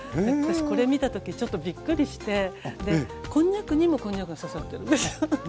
私これ見た時ちょっとびっくりしてこんにゃくにもこんにゃくが刺さってるんですよ。